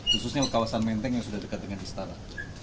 khususnya kawasan menteng yang sudah dekat dengan istana